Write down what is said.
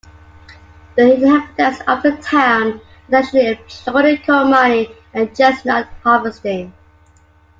The inhabitants of the town are traditionally employed in coal mining and chestnut harvesting.